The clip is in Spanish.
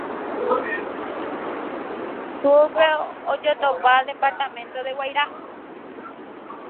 Al sur se encuentra el departamento del Guairá.